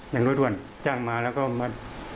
อย่างรวดด่วนจ้างมาแล้วก็มา